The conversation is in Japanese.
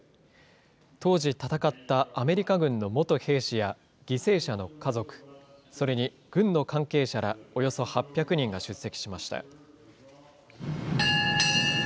当時戦ったアメリカ軍の元兵士や犠牲者の家族、それに軍の関係者らおよそ８００人が出席しました。